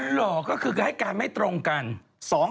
หล่อก็คือให้การไม่ตรงกัน